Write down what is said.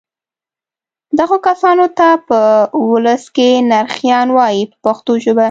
دغو کسانو ته په ولس کې نرخیان وایي په پښتو ژبه.